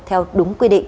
theo đúng quy định